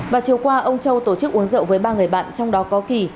và chiều qua ông châu tổ chức uống rượu với ba người bạn trong đó có kỳ